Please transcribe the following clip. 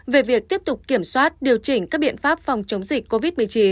về việc tiếp tục kiểm soát điều chỉnh các biện pháp phòng chống dịch covid một mươi chín